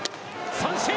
三振！